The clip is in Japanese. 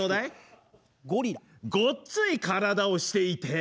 ごっつい体をしていて。